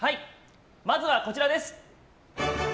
まずはこちらです。